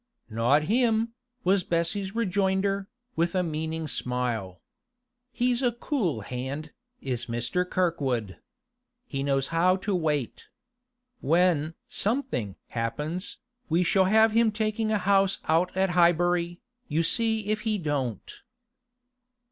'Not him,' was Bessie's rejoinder, with a meaning smile. 'He's a cool hand, is Mr. Kirkwood. He knows how to wait. When something happens, we shall have him taking a house out at Highbury, you see if he don't.